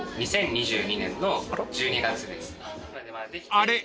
［あれ？